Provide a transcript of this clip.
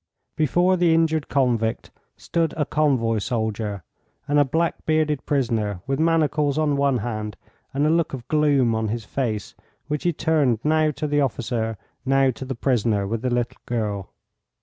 ] Before the injured convict stood a convoy soldier, and a black bearded prisoner with manacles on one hand and a look of gloom on his face, which he turned now to the officer, now to the prisoner with the little girl.